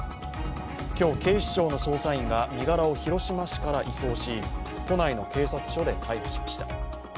今日、警視庁の捜査員が身柄を広島市から移送し都内の警察署で逮捕しました。